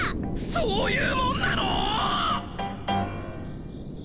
そういうもんなのー！？